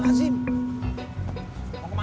bandung prestonya om herman